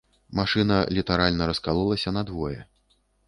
Машына літаральна раскалолася надвое.